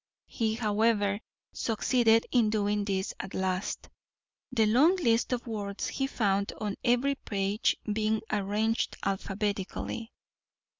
He, however, succeeded in doing this at last, the long list of words he found on every page being arranged alphabetically.